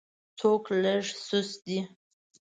څوک لږ سست دی.